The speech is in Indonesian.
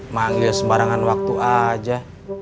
manggil sembarangan waktu aja